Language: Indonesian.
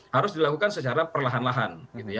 harus dilakukan secara perlahan lahan